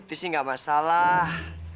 itu sih gak masalah